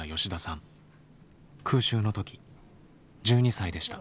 空襲の時１２歳でした。